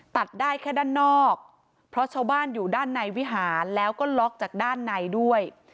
ตัดได้แค่ด้านนอกเพราะชาวบ้านอยู่ด้านในวิหารแล้วก็ล็อกจากด้านในด้วย